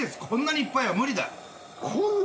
こんなにいっぱいは無理。